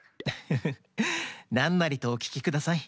フフフなんなりとおききください。